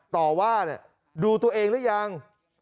ต่อว่าดูตัวเองหรือยัง